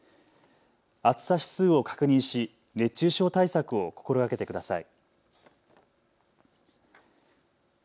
暑さ指数を確認し熱中症対策を心がけてください。